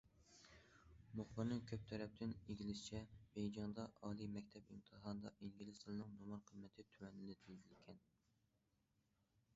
مۇخبىرنىڭ كۆپ تەرەپتىن ئىگىلىشىچە، بېيجىڭدا ئالىي مەكتەپ ئىمتىھانىدا ئىنگلىز تىلىنىڭ نومۇر قىممىتى تۆۋەنلىتىلىدىكەن.